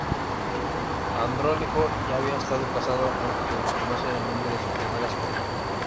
Andrónico ya había estado casado aunque se desconoce el nombre de su primera esposa.